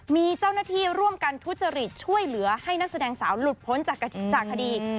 มีเจ้าหน้าที่ร่วมกันทุจริตช่วยเหลือให้นักแสดงสาวหลุดพ้นจากคดี